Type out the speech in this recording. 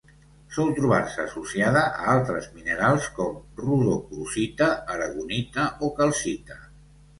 Sol trobar-se associada a altres minerals com: rodocrosita, aragonita o calcita.